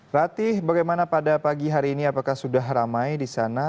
ratih bagaimana pada pagi hari ini apakah sudah ramai di sana